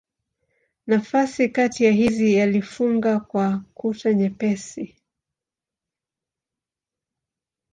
Nafasi kati ya hizi alifunga kwa kuta nyepesi.